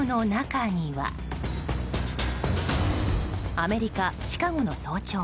アメリカ・シカゴの早朝。